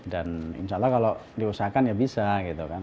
dan insya allah kalau diusahakan ya bisa gitu kan